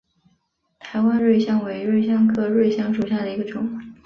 台湾瑞香为瑞香科瑞香属下的一个种。